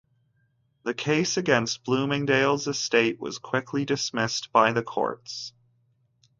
The case against Bloomingdale's estate was quickly dismissed by the courts.